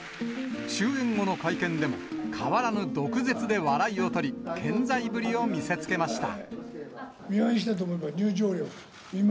終演後の会見でも、変わらぬ毒舌で笑いを取り、健在ぶりを見せつけました。